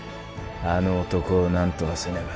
あの男をなんとかせねば。